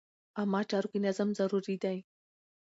عامه چارو کې نظم ضروري دی.